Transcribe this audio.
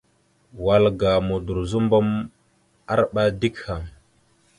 Wal ga Modorəzobom arɓa dik haŋ.